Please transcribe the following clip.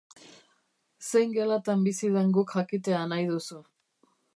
Zein gelatan bizi den guk jakitea nahi duzu.